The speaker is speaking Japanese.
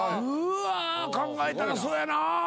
うわ考えたらそうやな。